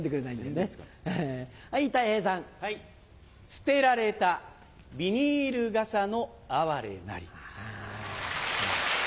捨てられたビニール傘の哀れなり。